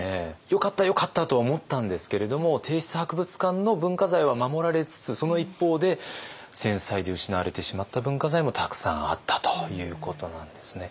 よかったよかったとは思ったんですけれども帝室博物館の文化財は守られつつその一方で戦災で失われてしまった文化財もたくさんあったということなんですね。